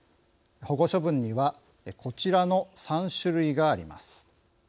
保護処分にはこちらの３種類があります。